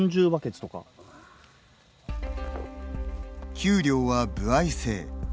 給料は歩合制。